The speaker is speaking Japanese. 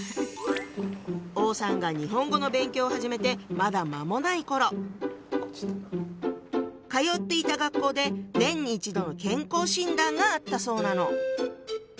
王さんが日本語の勉強を始めてまだ間もない頃通っていた学校で年に一度の健康診断があったそうなの。